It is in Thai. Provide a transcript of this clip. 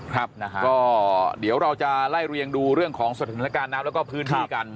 ครับนะฮะก็เดี๋ยวเราจะไล่เรียงดูเรื่องของสถานการณ์น้ำแล้วก็พื้นที่กัน